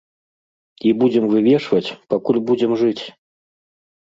І будзем вывешваць, пакуль будзем жыць.